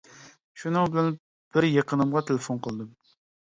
شۇنىڭ بىلەن بىر يېقىنىمغا تېلېفون قىلدىم.